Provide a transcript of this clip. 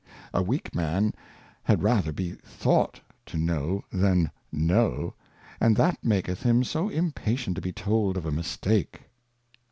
A weak Man had rather be thought to know, than know, and that maketh him so impatient to be told of a Mistake.